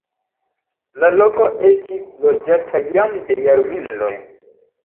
La loko estis loĝata jam de jarmiloj.